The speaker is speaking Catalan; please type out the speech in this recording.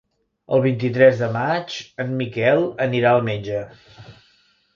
El vint-i-tres de maig en Miquel anirà al metge.